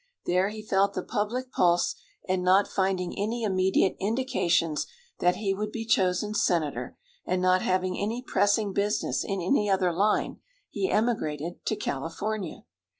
There he felt the public pulse, and not finding any immediate indications that he would be chosen senator, and not having any pressing business in any other line, he emigrated to California.